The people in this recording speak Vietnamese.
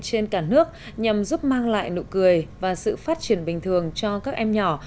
trên cả nước nhằm giúp mang lại nụ cười và sự phát triển bình thường cho các em nhỏ